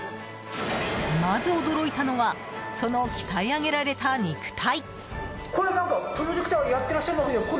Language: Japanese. まず驚いたのはその鍛え上げられた肉体。